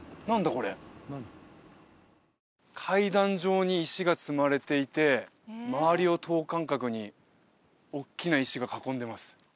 これ階段状に石が積まれていて周りを等間隔におっきな石が囲んでます